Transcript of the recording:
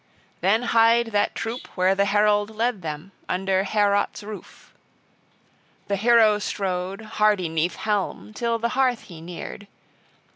Then hied that troop where the herald led them, under Heorot's roof: [the hero strode,] hardy 'neath helm, till the hearth he neared.